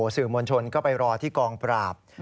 สื่อมวลชนก็ไปรอที่กองปราบ